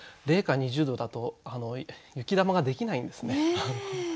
零下２０度だと雪玉ができないんですね。